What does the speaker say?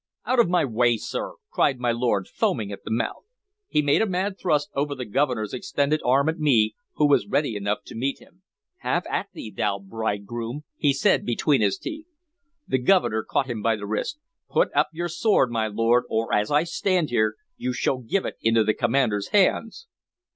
"Out of my way, sir!" cried my lord, foaming at the mouth. He made a mad thrust over the Governor's extended arm at me, who was ready enough to meet him. "Have at thee, thou bridegroom!" he said between his teeth. The Governor caught him by the wrist. "Put up your sword, my lord, or, as I stand here, you shall give it into the commander's hands!"